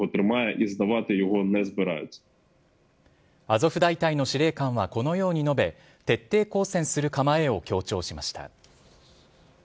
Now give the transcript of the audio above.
アゾフ大隊の司令官はこのように述べ、徹底抗戦する構えを強調しました。